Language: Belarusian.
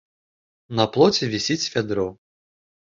На плоце вісіць вядро.